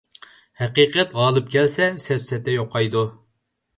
ھەقىقەت غالىب كەلسە سەپسەتە يوقايدۇ.